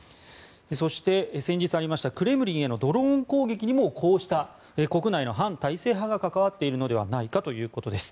そして、先日ありましたクレムリンへのドローン攻撃にもこうした国内の反体制派が関わっているのではないかということです。